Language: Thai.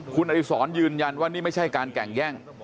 คุณอดิษรยืนยันว่านี่ไม่ใช่การแก่งแย่ง